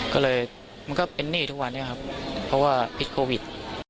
ก็เลยมันก็เป็นหนี้ทุกวันนี้ครับเพราะว่าพิษโควิด